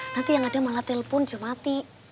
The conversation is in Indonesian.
nanti yang ada malah telpon jam mati